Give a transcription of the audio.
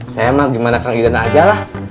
saya emang gimana kak idan aja lah